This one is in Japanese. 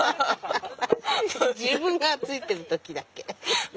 自分がついてる時だけ。